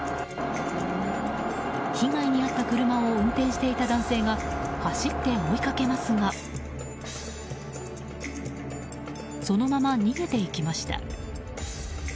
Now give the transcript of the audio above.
被害に遭った車を運転していた男性が走って追いかけますがそのまま逃げていきました。